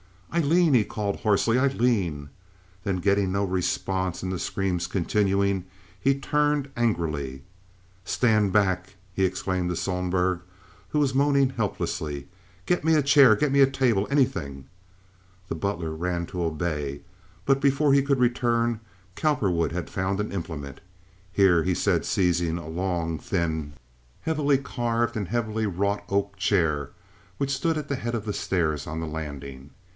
there!" "Aileen!" he called, hoarsely. "Aileen!" Then, getting no response, and the screams continuing, he turned angrily. "Stand back!" he exclaimed to Sohlberg, who was moaning helplessly. "Get me a chair, get me a table—anything." The butler ran to obey, but before he could return Cowperwood had found an implement. "Here!" he said, seizing a long, thin, heavily carved and heavily wrought oak chair which stood at the head of the stairs on the landing.